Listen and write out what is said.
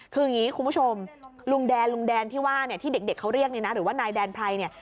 คืออย่างนี้คุณผู้ชมลุงแดนลุงแดนที่ว่าเนี่ยที่เด็กเขาเรียกเนี่ยนะหรือว่านายแดนไพรเนี่ย